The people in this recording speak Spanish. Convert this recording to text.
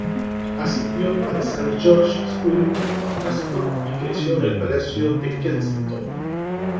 Asistió a St George's School, Ascot y creció en el Palacio de Kensington.